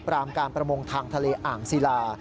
การประมงทางทะเลอ่างศิลา